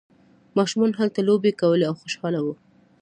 ماشومان هلته لوبې کولې او خوشحاله وو.